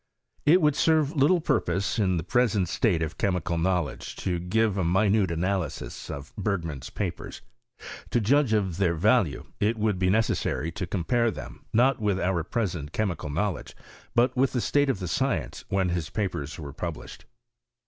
It would serve little purpose in the present state of chemical knowledge, to give a minute analysis of Bergman's papers. To judge of their value, it would be necessary to compare them, not with our present chemical knowledge, but with the state q£ the science when his papers were published.